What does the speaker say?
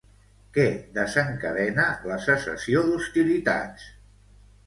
Què desencadena la cessació d'hostilitats?